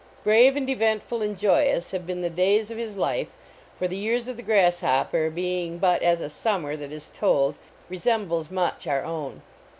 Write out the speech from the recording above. Brave and eventful and joyous have been the days of his life; for the \vars of the grasshopper being but as a sum mer that is told resembles much our own.